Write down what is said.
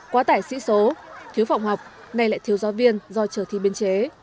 quá tải sĩ số thiếu phòng học nay lại thiếu giáo viên do trở thi biên chế